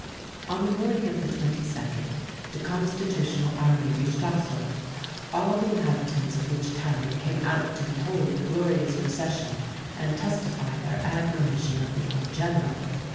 On the morning of the 22d, the Constitutional Army reached Ossore, all the inhabitants of which town came out to behold the glorious procession, and testify their admiration of the young General.